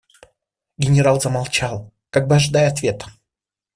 Генерал замолчал, как бы ожидая ответа.